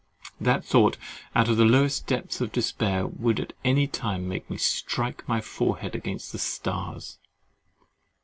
That thought, out of the lowest depths of despair, would at any time make me strike my forehead against the stars.